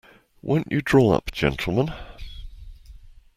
Won't you draw up, gentlemen.